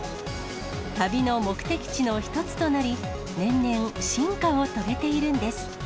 旅の目的地の一つとなり、年々、進化を遂げているんです。